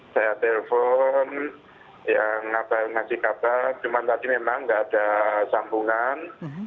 saya telpon yang masih kabar cuman tadi memang nggak ada sambungan